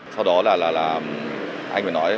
sau đó là anh mới nói